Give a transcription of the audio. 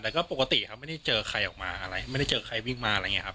แต่ก็ปกติครับไม่ได้เจอใครออกมาอะไรไม่ได้เจอใครวิ่งมาอะไรอย่างนี้ครับ